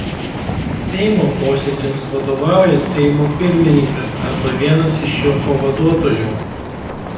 Seimo posėdžiams vadovauja Seimo Pirmininkas arba vienas iš jo pavaduotojų.